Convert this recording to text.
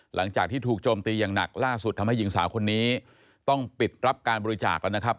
หลังจากที่ถูกโจมตีอย่างหนักล่าสุดทำให้หญิงสาวคนนี้ต้องปิดรับการบริจาคแล้วนะครับ